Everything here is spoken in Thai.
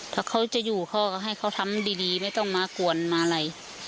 ถ้าเขาจะอยู่เขาก็ให้เขาทำดีไม่ต้องมากวนมาอะไร